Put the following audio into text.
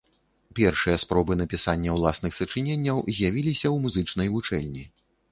Першыя спробы напісання ўласных сачыненняў з'явіліся ў музычнай вучэльні.